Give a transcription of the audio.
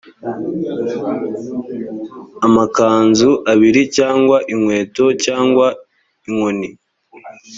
amakanzu abiri cyangwa inkweto cyangwa inkoni